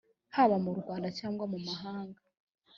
haba mu rwanda cyangwa mu mahanga